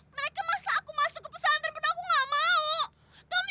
mereka masa aku masuk ke pesantren pun aku gak mau